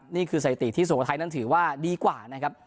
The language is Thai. นี่คือสถิติที่สุโขทัยนั้นถือว่าดีกว่า